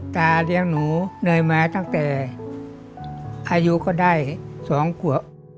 ตาเรียกหนูเนยมาตั้งแต่อายุก็ได้สองกว่า